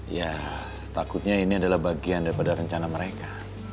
ya takutnya ini adalah bagian daripada rencana mereka